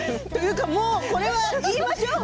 これは言いましょう。